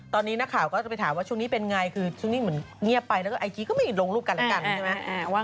ตอนนี้นักข่าวก็จะไปถามว่าช่วงนี้เป็นไงคือช่วงนี้เหมือนเงียบไปแล้วก็ไอจีก็ไม่ลงรูปกันแล้วกันใช่ไหม